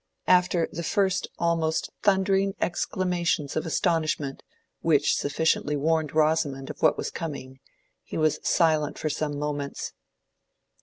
After the first almost thundering exclamations of astonishment, which sufficiently warned Rosamond of what was coming, he was silent for some moments.